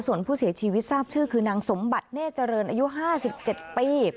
ส่วนผู้เสียชีวิตทราบชื่อคือนางสมบัติเนธเจริญอายุ๕๗ปี